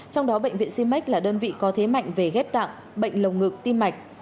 trong đó bệnh viện cm là đơn vị có thế mạnh về ghép tạng bệnh lồng ngực tim mạch